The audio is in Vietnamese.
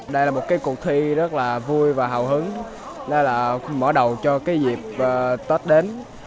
đây là một cuộc thi rất vui và hào hứng mở đầu cho dịp tết đến